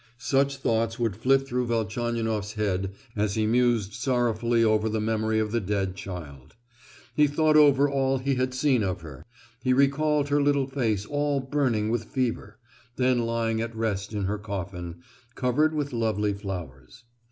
Such thoughts would flit through Velchaninoff's head as he mused sorrowfully over the memory of the dead child. He thought over all he had seen of her; he recalled her little face all burning with fever, then lying at rest in her coffin, covered with lovely flowers.